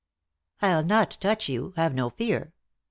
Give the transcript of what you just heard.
" I'll not touch you ; have no fear.